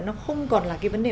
nó không còn là cái vấn đề